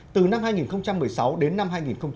từ năm hai nghìn một mươi sáu đến năm hai nghìn hai mươi